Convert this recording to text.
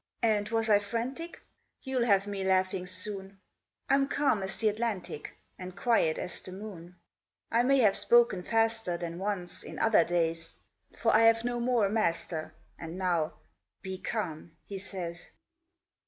And was I frantic? You'll have me laughing soon. I'm calm as this Atlantic, And quiet as the moon; I may have spoken faster Than once, in other days; For I've no more a master, And now 'Be calm,' he says.